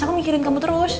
aku mikirin kamu terus